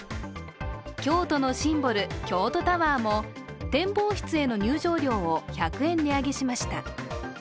京都のシンボル、京都タワーも展望室への入場料を１００円値上げました。